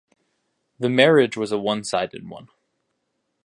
The marriage was a one-sided one.